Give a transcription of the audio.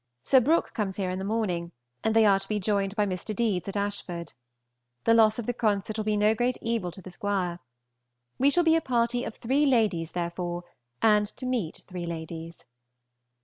Sir Brook comes here in the morning, and they are to be joined by Mr. Deedes at Ashford. The loss of the concert will be no great evil to the Squire. We shall be a party of three ladies therefore, and to meet three ladies.